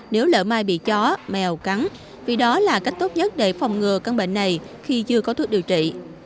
nếu lỡ mai bị chó mèo cắn vì đó là cách tốt nhất để phòng ngừa căn bệnh này khi chưa có thuốc điều trị